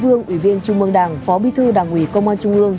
thủ tướng ủy viên trung mương đảng phó bi thư đảng ủy công an trung ương